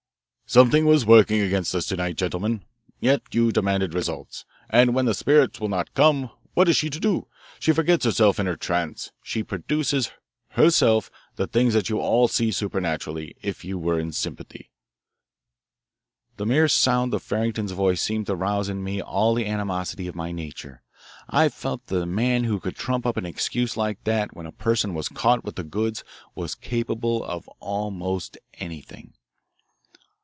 "Something was working against us to night, gentlemen. Yet you demanded results. And when the spirits will not come, what is she to do? She forgets herself in her trance; she produces, herself, the things that you all could see supernaturally if you were in sympathy." The mere sound of Farrington's voice seemed to rouse in me all the animosity of my nature. I felt that a man who could trump up an excuse like that when a person was caught with the goods was capable of almost anything.